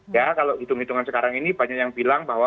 ya kalau hitung hitungan sekarang ini banyak yang bilang bahwa